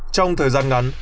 trong thời gian ngắn